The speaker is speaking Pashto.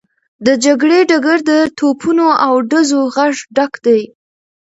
د جګړې ډګر د توپونو او ډزو غږ ډک و.